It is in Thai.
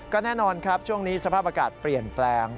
ก็แน่นอนครับช่วงนี้สภาพอากาศเปลี่ยนแปลง